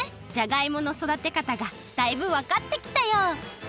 じゃがいものそだてかたがだいぶわかってきたよ。